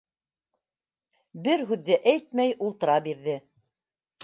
Бер һүҙ ҙә әйтмәй ултыра бирҙе.